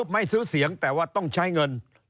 ไม่ซื้อเสียงแต่ว่าต้องใช้เงิน